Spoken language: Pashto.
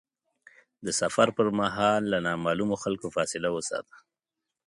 د سفر پر مهال له نامعلومو خلکو فاصله وساته.